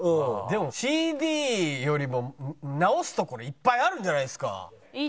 でもＣＤよりも直すところいっぱいあるんじゃないですか？